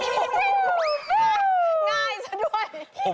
ง่ายซะด้วย